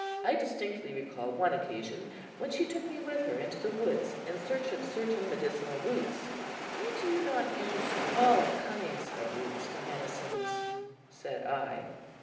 I distinctly recall one occasion when she took me with her into the woods in search of certain medicinal roots. "Why do you not use all kinds of roots for medicines?" said I.